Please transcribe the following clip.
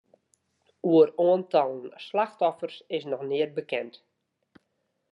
Oer oantallen slachtoffers is noch neat bekend.